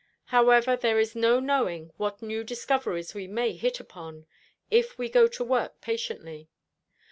However, there is no knowing what new discoveries we may hit upon, if we go to work patiently.